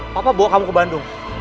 papa bawa kamu ke bandung